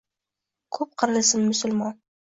Ko’p qirilsin musulmon.